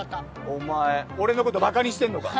お前俺のことバカにしてんのか？